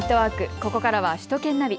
ここからは首都圏ナビ。